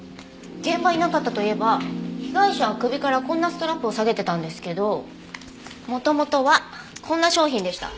現場になかったといえば被害者は首からこんなストラップを下げてたんですけど元々はこんな商品でした。